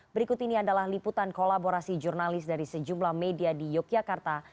berikut ini adalah liputan kolaborasi jurnalis dari sejumlah media di yogyakarta